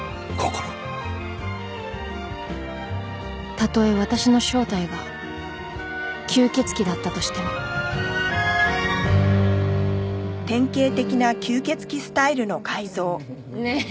たとえ私の正体が吸血鬼だったとしてもねえ